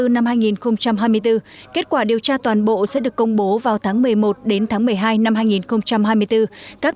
năm hai nghìn hai mươi bốn kết quả điều tra toàn bộ sẽ được công bố vào tháng một mươi một đến tháng một mươi hai năm hai nghìn hai mươi bốn các